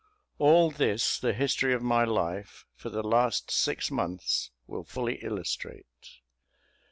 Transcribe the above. All this the history of my life, for the last six months, will fully illustrate.